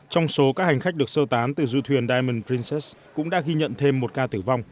trong số các hành khách được sơ tán từ du thuyền diamond princess cũng đã ghi nhận thêm một ca tử vong